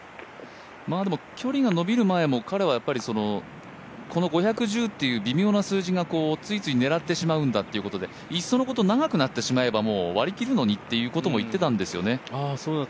距離が延びる前も彼はこの５１０という微妙な数字がついつい狙ってしまうんだということでいっそのこと長くなってしまえば、割り切るのにということも言ってたんですよね。